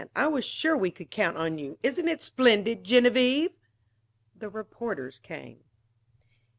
I was sure we could count on you. Isn't it splendid, Geneviève!" The reporters came.